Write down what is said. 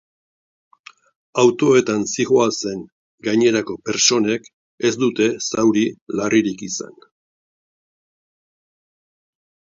Autoetan zihoazen gainerako pertsonek ez dute zauri larririk izan.